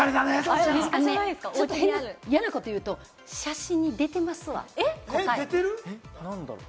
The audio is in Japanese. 嫌なことを言うと写真に出てますわ、答え。